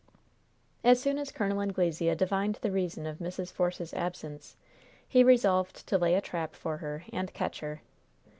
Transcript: As soon as Col. Anglesea divined the reason of Mrs. Force's absence he resolved to lay a trap for her and catch her.